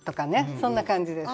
そんな感じです。